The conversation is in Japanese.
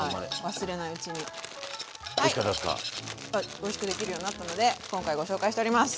おいしくできるようになったので今回ご紹介しております！